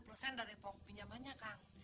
dua puluh persen dari pokok pinjamannya gan